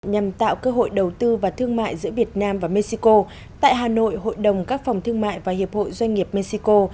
nhằm tạo cơ hội đầu tư và thương mại giữa việt nam và mexico tại hà nội hội đồng các phòng thương mại và hiệp hội doanh nghiệp mexico